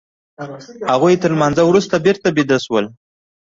هغوی تر لمانځه وروسته بېرته بيده شول.